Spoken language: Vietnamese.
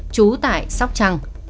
chú tại sóc trăng